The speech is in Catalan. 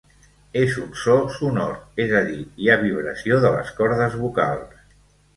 És un so sonor, és a dir, hi ha vibració de les cordes vocals.